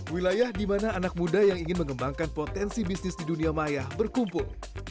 wilayah di mana anak muda yang ingin mengembangkan potensi bisnis di dunia maya berkumpul